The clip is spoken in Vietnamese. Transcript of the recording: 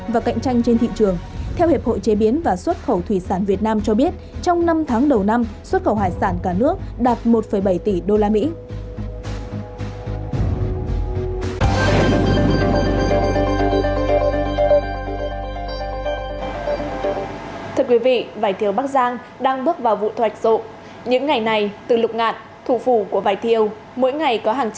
và cả những thị trường khó tính khác